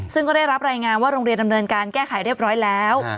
ซึ่งก็ได้รับรายงานว่าโรงเรียนดำเนินการแก้ไขเรียบร้อยแล้ว